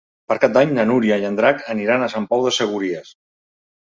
Per Cap d'Any na Núria i en Drac aniran a Sant Pau de Segúries.